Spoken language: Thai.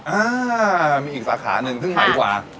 อ่ามีอีกสาขาหนึ่งซึ่งหมายว่า